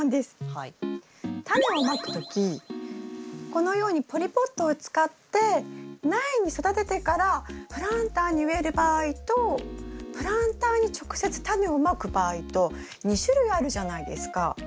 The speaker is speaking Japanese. タネをまく時このようにポリポットを使って苗に育ててからプランターに植える場合とプランターに直接タネをまく場合と２種類あるじゃないですか？